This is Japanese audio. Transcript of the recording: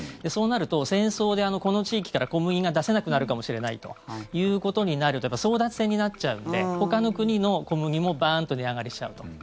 そうなると、戦争でこの地域から小麦が出せなくなるかもしれないということになると争奪戦になっちゃうのでほかの国の小麦もバーンと値上がりしちゃうと。